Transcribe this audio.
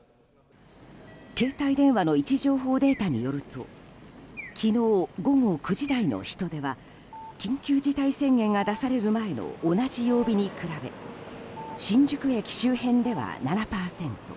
携帯電話の位置情報データによると昨日午後９時台の人出は緊急事態宣言が出される前の同じ曜日に加え新宿駅周辺では７％